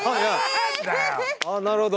あなるほど。